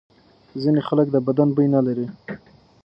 ځینې خلک د بدن بوی نه لري.